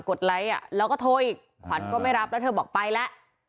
ดไลค์อ่ะแล้วก็โทรอีกขวัญก็ไม่รับแล้วเธอบอกไปแล้ว